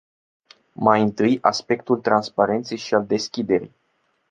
Mai întâi, aspectul transparenței și al deschiderii.